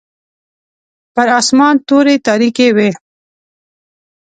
پر اسمان توري تاریکې وې.